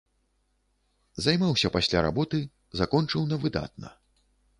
Займаўся пасля работы, закончыў на выдатна.